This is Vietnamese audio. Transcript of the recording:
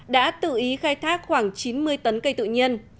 đã tự ý khai thác khoảng chín mươi tấn cây tự nhiên